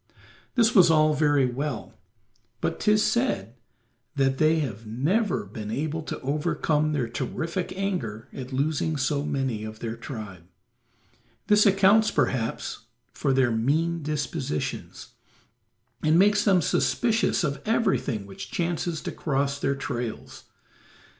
This was all very well, but 'tis said that they have never been able to overcome their terrific anger at losing so many of their tribe; this accounts perhaps for their mean dispositions, and makes them suspicious of everything which chances to cross their trails.